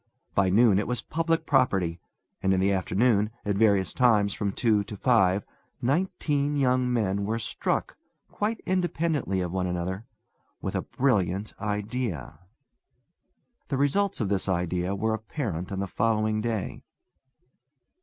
By noon it was public property; and in the afternoon, at various times from two to five, nineteen young men were struck, quite independently of one another, with a brilliant idea. The results of this idea were apparent on the following day.